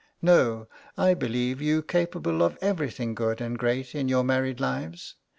No! I believe you capable of everything good and great in your married lives.